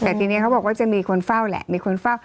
แต่ทีนี้เขาบอกว่าจะมีคนเฝ้าแหละมีคนเฝ้า